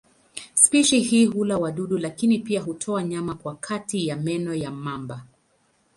Spishi hii hula wadudu lakini pia hutoa nyama kwa kati ya meno ya mamba.